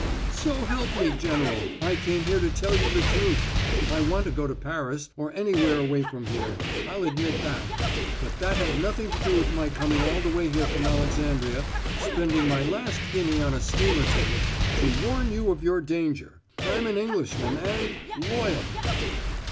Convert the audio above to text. "So help me, General, I came here to tell you the truth. I want to go to Paris or anywhere away from here; I'll admit that. But that had nothing to do with my coming all the way here from Alexandria spending my last guinea on a steamer ticket to warn you of your danger. I'm an Englishman and loyal!"